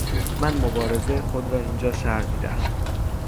من مبارزه خود را اینجا شرح میدهم